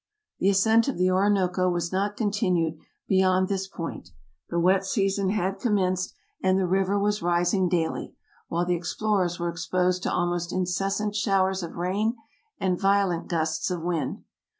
The ascent of the Orinoco was not continued beyond this point. The wet season had commenced and the river was rising daily, while the explorers were exposed to almost in cessant showers of rain and violent gusts of wind.